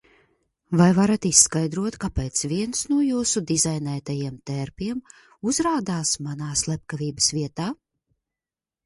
Vai varat izskaidrot, kāpēc viens no jūsu dizainētajiem tērpiem uzradās manā slepkavības vietā?